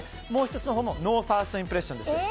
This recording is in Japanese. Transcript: もう１つのほうもノーファーストインプレッションです。